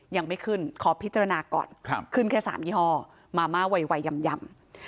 ยังไม่ขึ้นขอพิจารณาก่อนครับขึ้นแค่สามยี่ห่อมาม่าไวยไวยย่ำยำ